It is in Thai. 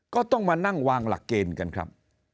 ก็ต้องมานั่งวางหลักเกณฑ์กันครับ